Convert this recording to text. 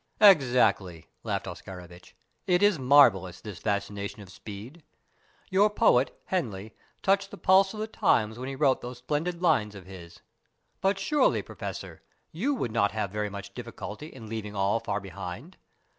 "Exactly," laughed Oscarovitch. "It is marvellous this fascination of speed. Your poet, Henley, touched the pulse of the times when he wrote those splendid lines of his. But surely, Professor, you would not have very much difficulty in leaving all far behind.